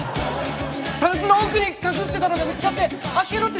タンスの奥に隠してたのが見つかって開けろって。